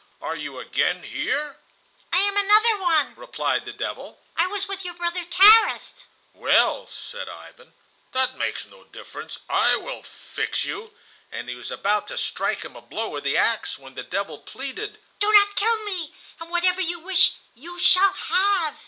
Are you again here?" "I am another one," replied the devil. "I was with your brother Tarras." "Well," said Ivan, "that makes no difference; I will fix you." And he was about to strike him a blow with the axe when the devil pleaded: "Do not kill me, and whatever you wish you shall have."